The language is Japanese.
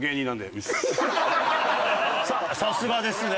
さすがですね！